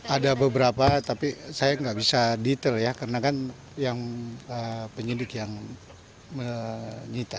ada beberapa tapi saya nggak bisa detail ya karena kan yang penyidik yang menyita